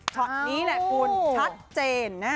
ช็อตนี้แหละคุณชัดเจน